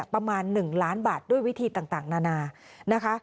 ประมาณหนึ่งล้านบาทด้วยวิธีต่างนานา